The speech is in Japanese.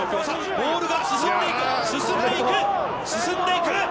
さあモールが進んでいく！